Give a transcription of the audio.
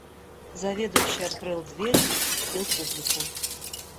Заведующий открыл двери и впустил публику.